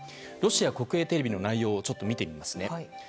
ロシア国営テレビの内容を見てみますね。